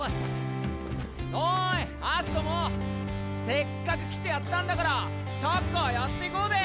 せっかく来てやったんだからサッカーやっていこうで！